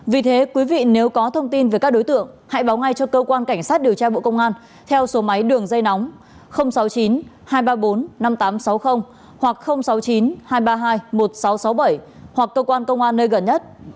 vì thế quý vị nếu có thông tin về các đối tượng hãy báo ngay cho cơ quan cảnh sát điều tra bộ công an theo số máy đường dây nóng sáu mươi chín hai trăm ba mươi bốn năm nghìn tám trăm sáu mươi hoặc sáu mươi chín hai trăm ba mươi hai một nghìn sáu trăm sáu mươi bảy hoặc cơ quan công an nơi gần nhất